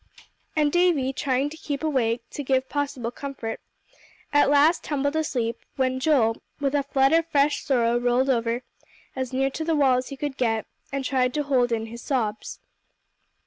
And Davie, trying to keep awake, to give possible comfort, at last tumbled asleep, when Joel with a flood of fresh sorrow rolled over as near to the wall as he could get, and tried to hold in his sobs.